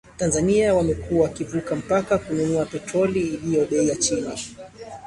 Tanzania wamekuwa wakivuka mpaka kununua petroli iliyo bei ya chini